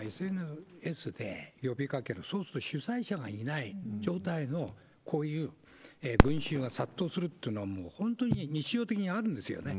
今、ＳＮＳで呼びかける、そうすると、主催者がいない状態の、こういう群衆が殺到するというのは、もう本当に日常的にあるんですよね。